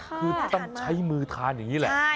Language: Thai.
คือต้องใช้มือทานอย่างนี้แหละ